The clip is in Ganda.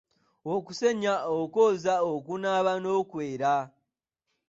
Okusenya, okwoza, okunaaba, n'okwera.